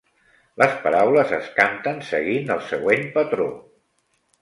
Les paraules es canten seguint el següent patró.